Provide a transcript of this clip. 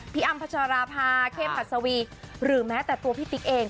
พิอามพัชรภาเคมพัสวิหรือแม้แต่ตัวพี่ปิ๊กเอง